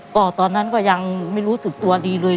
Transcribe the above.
ก็ตอนนั้นก็ยังไม่รู้สึกตัวดีเลย